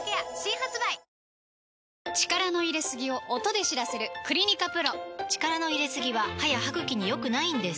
力の入れすぎを音で知らせる「クリニカＰＲＯ」力の入れすぎは歯や歯ぐきに良くないんです